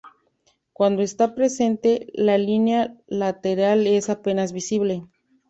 Cuando está presente, la línea lateral es apenas visible.